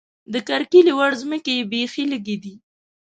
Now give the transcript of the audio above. د کرکیلې وړ ځمکې یې بېخې لږې دي.